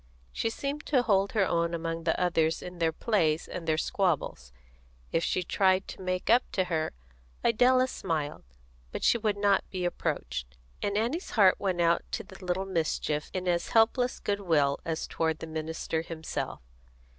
She seemed to hold her own among the others in their plays and their squabbles; if she tried to make up to her, Idella smiled, but she would not be approached, and Annie's heart went out to the little mischief in as helpless goodwill as toward the minister himself.